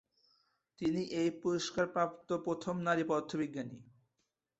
তিনি এই পুরস্কারপ্রাপ্ত প্রথম নারী পদার্থবিজ্ঞানী।